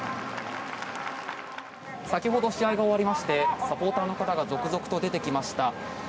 先ほど試合が終わりましてサポーターの方が続々と出てきました。